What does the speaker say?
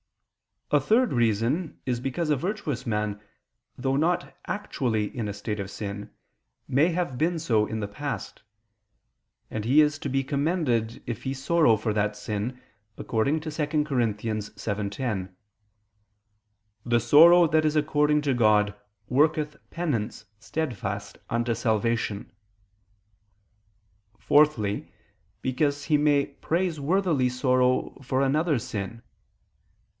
A third reason is because a virtuous man, though not actually in a state of sin, may have been so in the past. And he is to be commended if he sorrow for that sin, according to 2 Cor. 7:10: "The sorrow that is according to God worketh penance steadfast unto salvation." Fourthly, because he may praiseworthily sorrow for another's sin.